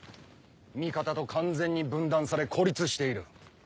味方と完全に分断され孤立している。